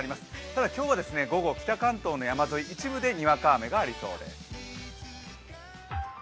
ただ今日は午後、北関東の山沿い、一部でにわか雨がありそうです。